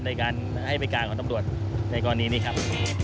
ในการให้บริการของตำรวจในกรณีนี้ครับ